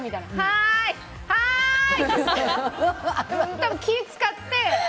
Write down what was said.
多分、気を使って。